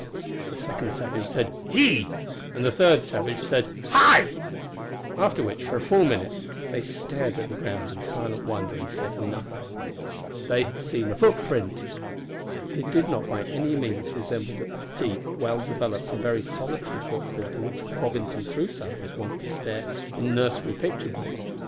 the second savage said, "He!" and the third said, "Hi!" After which, for full a minute, they stared at the ground in silent wonder and said nothing. They had seen a footprint! It did not by any means resemble that deep, well developed, and very solitary footprint at which Robinson Crusoe is wont to stare in nursery picture books.